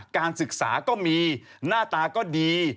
การศึกษาก็มีหน้าตาก็ดี